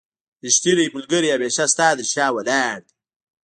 رښتينی ملګری هميشه ستا تر شا ولاړ دی